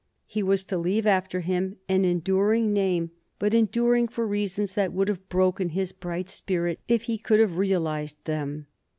He was to leave after him an enduring name, but enduring for reasons that would have broken his bright spirit if he could have realized them.